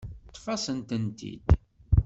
Ṭṭef-asent-tent-id.